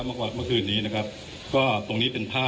คุณผู้ชมไปฟังผู้ว่ารัฐกาลจังหวัดเชียงรายแถลงตอนนี้ค่ะ